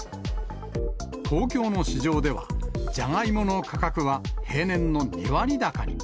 東京の市場では、ジャガイモの価格は、平年の２割高に。